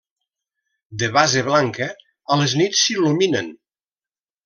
De base blanca, a les nits s'il·luminen.